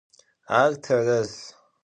Ar terez.